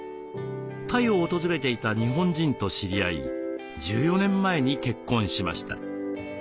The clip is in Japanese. タイを訪れていた日本人と知り合い１４年前に結婚しました。